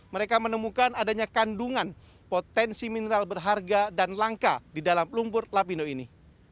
mereka menemukan adanya kandungan potensi mineral berharga dan langka di dalam lumpur lapindo ini